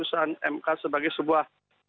nah ini sebenarnya yang harus dibuka ke publik